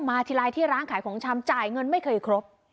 ทีไรที่ร้านขายของชำจ่ายเงินไม่เคยครบ